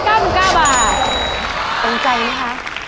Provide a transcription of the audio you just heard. ต้องใจไหมคะ